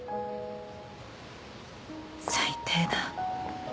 最低だ